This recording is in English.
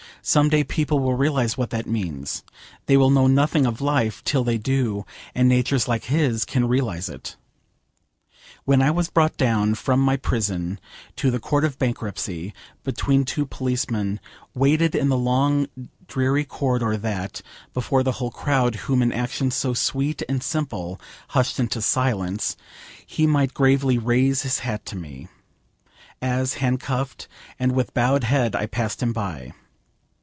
Some day people will realise what that means. They will know nothing of life till they do, and natures like his can realise it. When I was brought down from my prison to the Court of Bankruptcy, between two policemen, waited in the long dreary corridor that, before the whole crowd, whom an action so sweet and simple hushed into silence, he might gravely raise his hat to me, as, handcuffed and with bowed head, I passed him by.